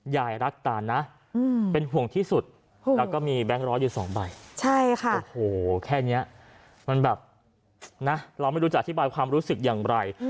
โหแค่นี้มันแบบนะเราไม่รู้จะอธิบายความรู้สึกอย่างไร